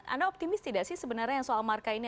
anda optimis tidak sih sebenarnya yang soal marka ini